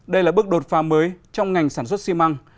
đây là bước đột pha mới trong ngành sản xuất xi măng